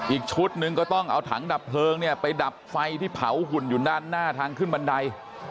อีกชุดหนึ่งก็ต้องเอาถังดับเพลิงเนี่ยไปดับไฟที่เผาหุ่นอยู่ด้านหน้าทางขึ้นบันได